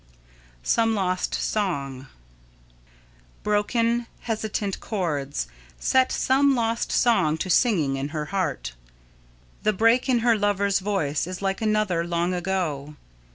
[Sidenote: Some Lost Song] Broken, hesitant chords set some lost song to singing in her heart. The break in her lover's voice is like another, long ago.